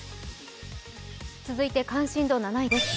続いて関心度７位です